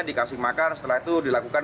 dikasih makar setelah itu dilakukan